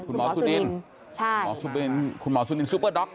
ชื่อดังคุณหมอสุดินคุณหมอสุดินซูเปอร์ด็อก